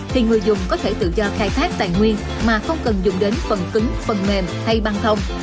thì người dùng có thể tự do khai thác tài nguyên mà không cần dùng đến phần cứng phần mềm hay băng thông